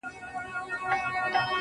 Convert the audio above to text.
چي لاد هغې بيوفا پر كلي شپـه تېــروم,